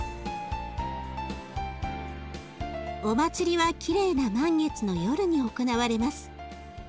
お祭りはきれいな満月の夜に行われます。